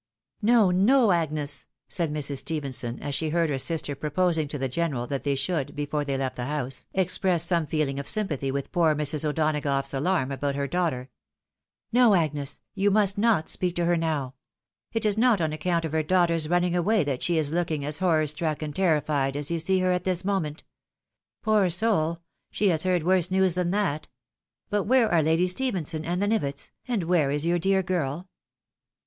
No, no, Agnes I " said Mrs. Stephenson, as she heard her sister proposing to the general that they should, before they left the house, express some feeling of sympathy with poor Mrs. O'Donagough's alarm about her daughter, " No, Agnes, you must not speak to her now ! It is not on account of her daughter's running away that she is looking as horror struck and terrified as you see her at this moment. Poor soul 1 she has heard worse news than that ! But where are Lady Ste phenson and the Nivetts, and where is your dear gifl